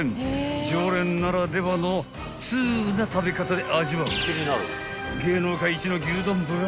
［常連ならではの通な食べ方で味わう］